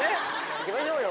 いきましょうよ。